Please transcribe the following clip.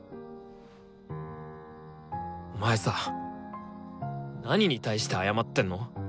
お前さ何に対して謝ってんの？